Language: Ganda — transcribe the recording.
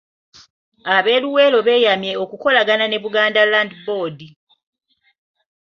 Ab'e Luweero beeyamye okukolagana ne Buganda Land Board.